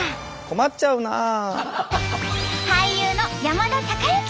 困っちゃうなあ。